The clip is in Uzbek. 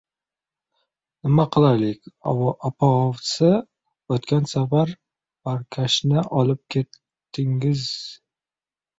— Nima qilaylik, opovsi, o‘tgan safar barkashni olib ketdin- giz...